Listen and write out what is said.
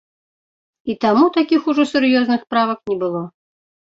І таму такіх ужо сур'ёзных правак не было.